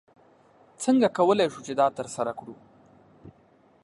څنګه کولی شو چې دا ترسره کړو؟